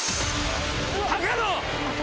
高野！